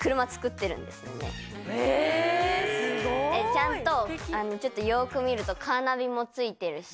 ちゃんとちょっとよく見るとカーナビも付いてるし。